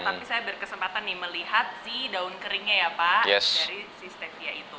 tapi saya berkesempatan melihat daun keringnya ya pak dari stevia itu